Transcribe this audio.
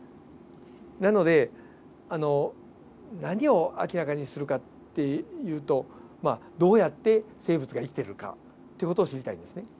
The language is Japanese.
なので何を明らかにするかっていうとどうやって生物が生きているかって事を知りたいですね。